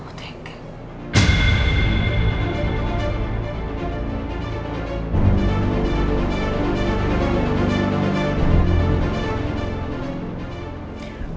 kamu terima kasih